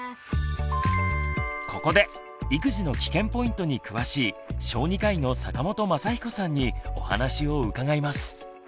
ここで育児のキケンポイントに詳しい小児科医の坂本昌彦さんにお話を伺います。